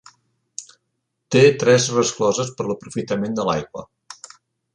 Té tres rescloses per l'aprofitament de l'aigua.